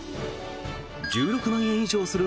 １６万円以上する